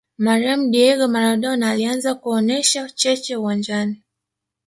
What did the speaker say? marehemu diego maradona alianza kuonesha cheche uwanjani